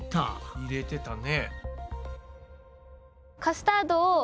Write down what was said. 入れてたね。